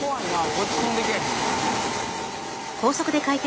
こっち飛んでけえへん？